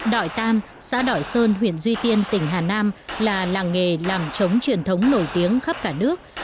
đội tam xã đội sơn huyện duy tiên tỉnh hà nam là làng nghề làm trống truyền thống nổi tiếng khắp cả nước